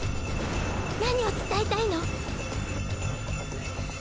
何を伝えたいの？